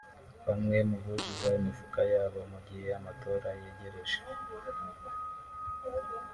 bamwe buzuza imifuka yabo mu gihe amatora yegereje”